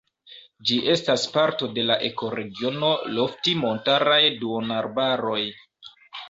Ĝi estas parto de la ekoregiono lofti-montaraj duonarbaroj.